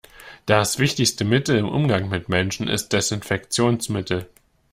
Das wichtigste Mittel im Umgang mit Menschen ist Desinfektionsmittel.